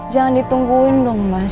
jangan ditungguin dong mas